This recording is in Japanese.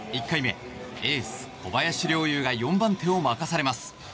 １回目エース、小林陵侑が４番手を任されます。